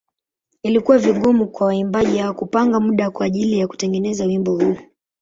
Ilikuwa vigumu kwa waimbaji hawa kupanga muda kwa ajili ya kutengeneza wimbo huu.